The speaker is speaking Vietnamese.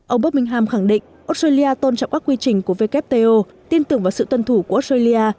ông berting ham khẳng định australia tôn trọng các quy trình của wto tin tưởng vào sự tuân thủ của australia